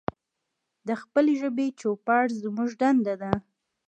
د خپلې ژبې چوپړ زمونږ دنده ده.